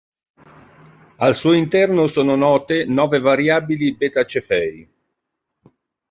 Al suo interno sono note nove variabili Beta Cephei.